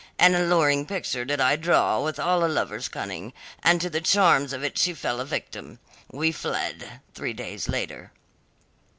An alluring picture did I draw with all a lover's cunning, and to the charms of it she fell a victim. We fled three days later.